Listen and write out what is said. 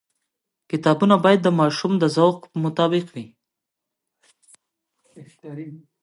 کتابونه باید د ماشوم د ذوق مطابق وي.